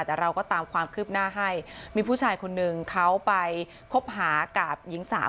แต่เราก็ตามความคืบหน้าให้มีผู้ชายคนหนึ่งเขาไปคบหากับหญิงสาว